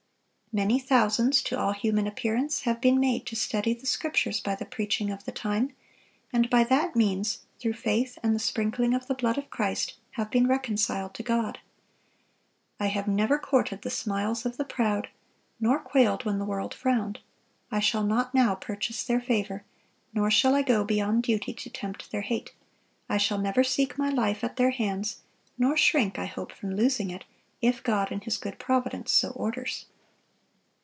"Many thousands, to all human appearance, have been made to study the Scriptures by the preaching of the time; and by that means, through faith and the sprinkling of the blood of Christ, have been reconciled to God."(664) "I have never courted the smiles of the proud, nor quailed when the world frowned. I shall not now purchase their favor, nor shall I go beyond duty to tempt their hate. I shall never seek my life at their hands, nor shrink, I hope, from losing it, if God in His good providence so orders."